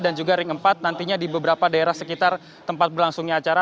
dan juga ring empat nantinya di beberapa daerah sekitar tempat berlangsungnya acara